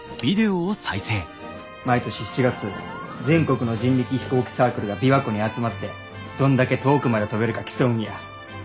毎年７月全国の人力飛行機サークルが琵琶湖に集まってどんだけ遠くまで飛べるか競うんや。